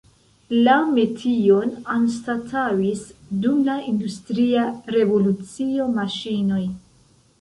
La metion anstataŭis dum la industria revolucio maŝinoj.